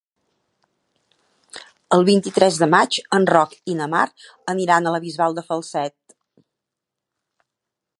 El vint-i-tres de maig en Roc i na Mar aniran a la Bisbal de Falset.